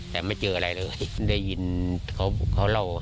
แต่ไม่เจออะไรเลย